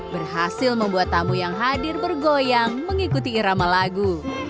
berhasil membuat tamu yang hadir bergoyang mengikuti irama lagu